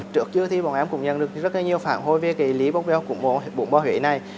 trước trước thì bọn em cũng nhận được rất là nhiều phản hồi về cái lý bốc véo của món bún bò huế này